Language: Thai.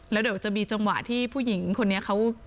แล้วเดี๋ยวจะมีจังหวะที่ผู้หญิงคนนี้เขา